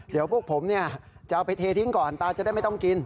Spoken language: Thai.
เดี๋ยวพวกผมจะเอาไปเททิ้งก่อนตาจะได้ไม่ต้องกิน